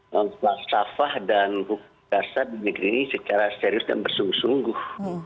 membuat safah dan buku dasar di negeri ini secara serius dan bersungguh sungguh